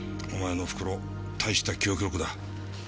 お前のお袋大した記憶力だ。